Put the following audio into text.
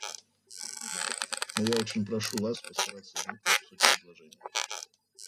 Но я очень прошу Вас постараться вникнуть в суть предложения».